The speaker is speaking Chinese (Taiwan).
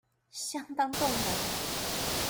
相當動人